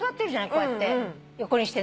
こうやって横にしてね。